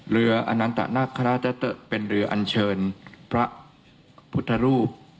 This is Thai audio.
อนันตนาคาราชเป็นเรืออันเชิญพระพุทธรูป